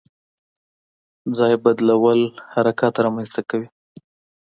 ځای بدلول حرکت رامنځته کوي.